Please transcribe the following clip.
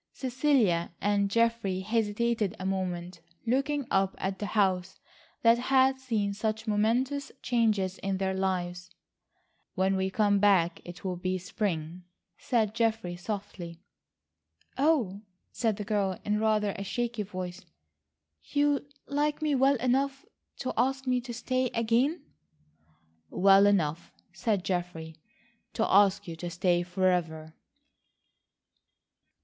Cecilia and Geoffrey hesitated a moment looking up at the house that had seen such momentous changes in their lives. "When we come back, it will be spring," said Geoffrey softly. "Oh," said the girl in rather a shaky voice, "you like me well enough to ask me to stay again?" "Well enough," said Geoffrey, "to ask you to stay forever."